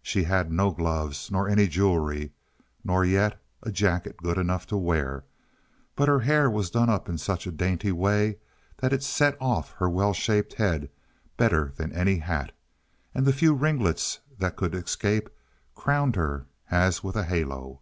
She had no gloves, nor any jewelry, nor yet a jacket good enough to wear, but her hair was done up in such a dainty way that it set off her well shaped head better than any hat, and the few ringlets that could escape crowned her as with a halo.